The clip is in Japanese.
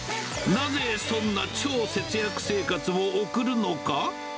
なぜそんな超節約生活を送るのか。